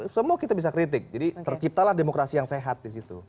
semua kita bisa kritik jadi terciptalah demokrasi yang sehat di situ